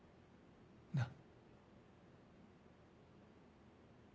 なっ。